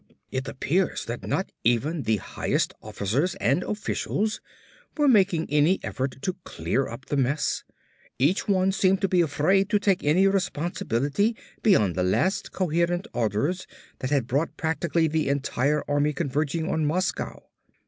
"It appears that not even the highest officers and officials were making any effort to clear up the mess. Each one seemed to be afraid to take any responsibility beyond the last coherent orders that had brought practically the entire army converging on Moscow.